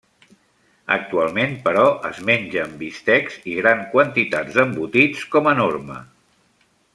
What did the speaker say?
Actualment però es mengen bistecs i grans quantitats d'embotits com a norma.